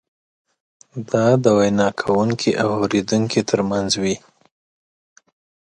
دا د وینا کوونکي او اورېدونکي ترمنځ وي.